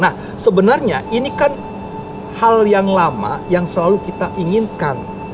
nah sebenarnya ini kan hal yang lama yang selalu kita inginkan